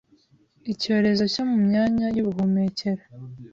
Icyorezo cyo mu myanya y'ubuhumekero